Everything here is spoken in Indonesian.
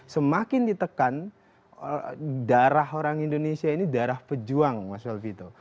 semakin ditekan darah orang indonesia ini darah pejuang mas alvito